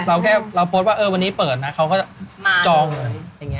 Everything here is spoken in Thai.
เราแค่เราโพสต์ว่าวันนี้เปิดนะเขาก็จะจองเลย